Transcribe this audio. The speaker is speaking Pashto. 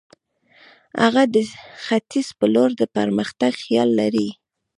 هغه د ختیځ پر لور د پرمختګ خیال لري.